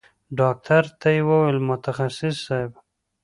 ډاکتر ته يې وويل متخصص صايب.